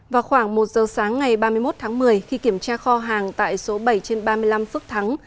vào khoảng một giờ sáng ngày ba mươi một tháng một mươi khi kiểm tra kho hàng tại số bảy trên ba mươi năm phước thắng